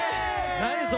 何それ。